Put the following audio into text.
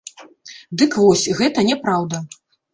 Дык вось, гэта няпраўда.